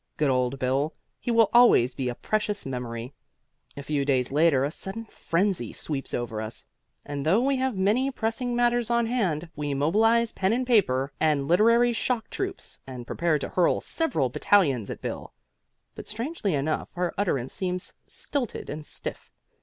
Good old Bill! He will always be a precious memory. A few days later a sudden frenzy sweeps over us, and though we have many pressing matters on hand, we mobilize pen and paper and literary shock troops and prepare to hurl several battalions at Bill. But, strangely enough, our utterance seems stilted and stiff.